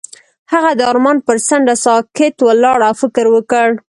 هغه د آرمان پر څنډه ساکت ولاړ او فکر وکړ.